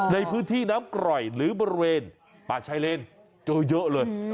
ในพื้นที่น้ำกร่อยหรือบริเวณป่าชายเลนเจอเยอะเลย